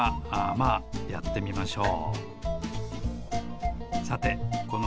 まあやってみましょう。